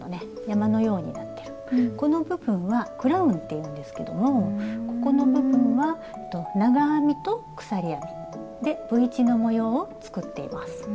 山のようになってるこの部分は「クラウン」っていうんですけどもここの部分は長編みと鎖編みでＶ字の模様を作っています。